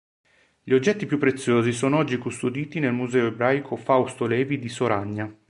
Gli oggetti più preziosi sono oggi custoditi nel Museo ebraico Fausto Levi di Soragna.